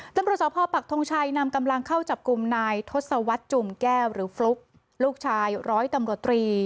ตำรวจสพปักทงชัยนำกำลังเข้าจับกลุ่มนายทศวรรษจุ่มแก้วหรือฟลุ๊กลูกชายร้อยตำรวจตรี